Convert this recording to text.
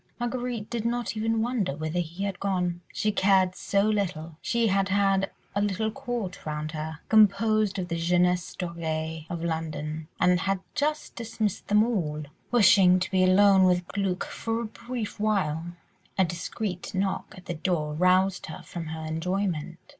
Marguerite did not even wonder whither he had gone—she cared so little; she had had a little court round her, composed of the jeunesse dorée of London, and had just dismissed them all, wishing to be alone with Glück for a brief while. A discreet knock at the door roused her from her enjoyment.